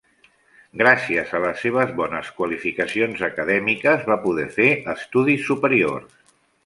Gràcies a les seves bones qualificacions acadèmiques va poder fer estudis superiors.